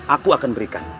aku akan berikan